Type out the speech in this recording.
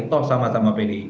toh sama sama pdip